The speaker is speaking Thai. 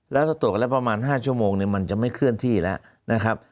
แล้วถ้าตรวจกันแล้วประมาณ๕ชั่วโมงมันจะไม่เคลื่อนที่แล้วนะครับ